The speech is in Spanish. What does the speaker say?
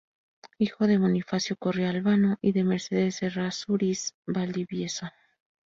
Hijo de Bonifacio Correa Albano y de Mercedes Errázuriz Valdivieso.